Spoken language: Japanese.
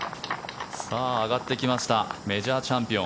上がってきましたメジャーチャンピオン。